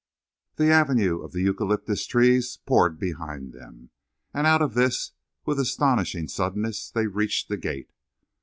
The avenue of the eucalyptus trees poured behind them, and out of this, with astonishing suddenness, they reached the gate.